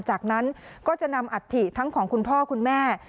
จากนั้นก็จะนำอัฐิทั้งของคุณพ่อคุณแม่